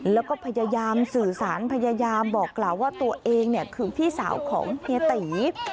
แล้วก็พยายามสื่อสารพยายามบอกกล่าวว่าตัวเองคือพี่สาวของเฮียตี